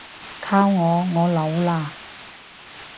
靠我，我老喇